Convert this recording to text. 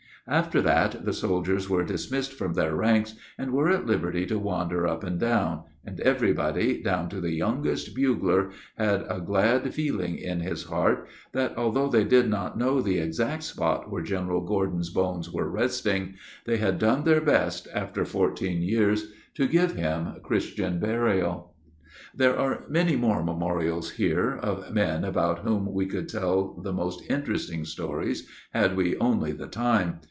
After that the soldiers were dismissed from their ranks, and were at liberty to wander up and down, and everybody, down to the youngest bugler, had a glad feeling in his heart, that, although they did not know the exact spot where General Gordon's bones were resting, they had done their best, after fourteen years, to give him Christian burial. There are many more memorials here of men about whom we could tell the most interesting stories, had we only the time.